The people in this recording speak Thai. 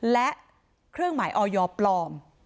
และเครื่องหมายออยปลอม